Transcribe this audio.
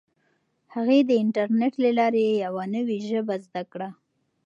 هغې د انټرنیټ له لارې یوه نوي ژبه زده کړه.